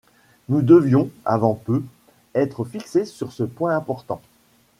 Nous devions, avant peu, être fixés sur ce point important.